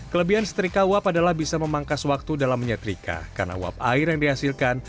kelebihan setrika uap adalah bisa memangkas waktu dalam menyetrika karena uap air yang dihasilkan